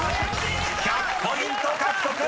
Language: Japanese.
［１００ポイント獲得！